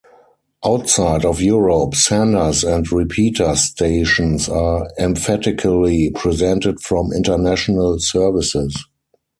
Outside of Europe senders and repeater stations are emphatically presented from international services.